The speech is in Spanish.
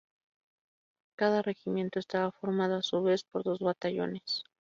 Cada regimiento estaba formado a su vez por dos batallones.